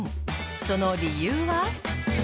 その理由は？